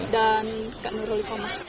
dan kak nurulikomu